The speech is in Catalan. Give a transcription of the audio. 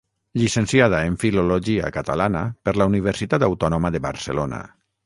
Llicenciada en Filologia Catalana per la Universitat Autònoma de Barcelona.